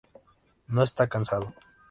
No está casado.